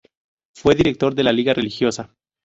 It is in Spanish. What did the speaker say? Fue director de La Liga Religiosa.